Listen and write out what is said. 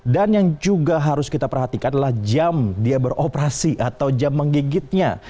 yang juga harus kita perhatikan adalah jam dia beroperasi atau jam menggigitnya